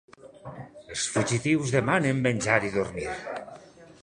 Els fugitius demanen menjar i dormir.